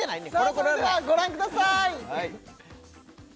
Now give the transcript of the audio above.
それではご覧ください